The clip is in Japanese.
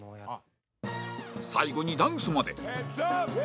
最後にダンスまで